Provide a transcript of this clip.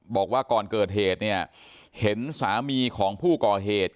บอกว่าก่อนเกิดเหตุเนี่ยเห็นสามีของผู้ก่อเหตุ